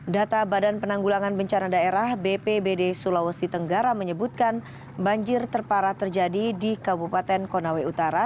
data badan penanggulangan bencana daerah bpbd sulawesi tenggara menyebutkan banjir terparah terjadi di kabupaten konawe utara